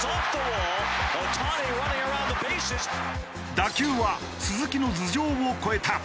打球は鈴木の頭上を越えた。